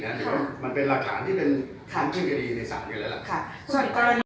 หรือว่ามันเป็นรากฐานที่เป็นของเชื่อกดีในศาลอย่างนั้น